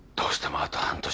あと半年